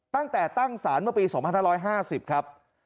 ตั้งแต่ตั้งศาลเมื่อปี๒๕๕๐ครับ